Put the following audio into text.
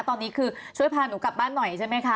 ตอนนี้คือช่วยพาหนูกลับบ้านหน่อยใช่ไหมคะ